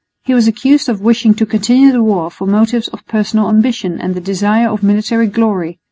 He was accused of wishing to continue the war from motives of personal ambition and the desire of military glory.